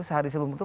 sehari sebelum itu